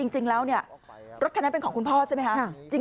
จริงแล้วรถคนนั้นเป็นของคุณพ่อใช่ไหม